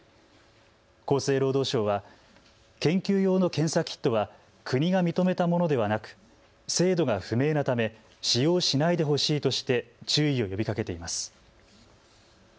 厚生労働省は研究用の検査キットは国が認めたものではなく精度が不明なため、使用しないでほしいとして注意を呼びかけています。